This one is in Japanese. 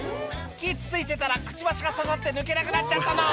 木つついてたらくちばしが刺さって抜けなくなっちゃったの」